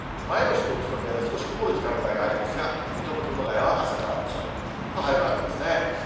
前橋と宇都宮で少し曇る時間帯がありますが、水戸と熊谷は朝からずーっと晴れマークですね。